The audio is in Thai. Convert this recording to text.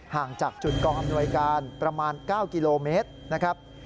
ห่างจากจุดกองอำนวยการประมาณ๙กิโลเมตรนะครับ